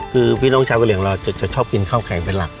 คือพี่น้องชาวกะเหลียงเราจะชอบกินข้าวแข่งเป็นหลัก